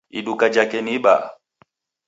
Iduka jhake ni ibaha.